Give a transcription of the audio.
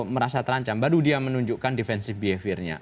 merasa terancam baru dia menunjukkan defensive behaviornya